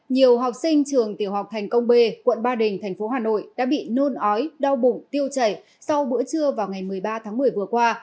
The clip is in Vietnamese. nhiều học sinh trường tiểu học thành công b quận ba đình thành phố hà nội đã bị nôn ói đau bụng tiêu chảy sau bữa trưa vào ngày một mươi ba tháng một mươi vừa qua